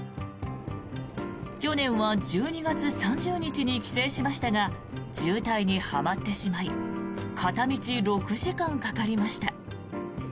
去年は１２月３０日に帰省しましたが渋滞にはまってしまい片道６時間かかりました。